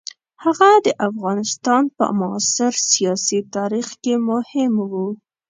هغه د افغانستان په معاصر سیاسي تاریخ کې مهم وو.